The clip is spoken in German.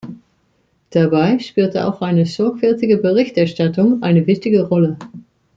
Dabei spielt auch eine sorgfältige Berichterstattung eine wichtige Rolle.